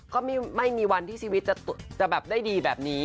ก็ไม่มีวันที่ชีวิตจะแบบได้ดีแบบนี้